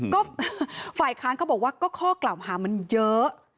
ก็ฝ่ายค้านเขาบอกว่าก็ข้อกล่าวหามันเยอะ